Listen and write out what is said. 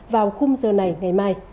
vào khung giờ này ngày mai